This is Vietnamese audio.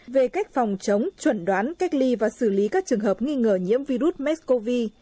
về cách phòng chống chuẩn đoán cách ly và xử lý các trường hợp nghi ngờ nhiễm virus mcov